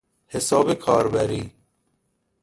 حساب کاربری